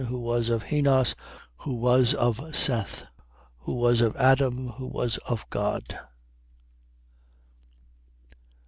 Who was of Henos, who was of Seth, who was of Adam, who was of God.